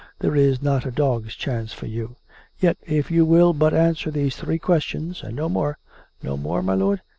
There is not a dog's chance for you. Yet, if you will but answer these three questions — and no more (No more, my lord?)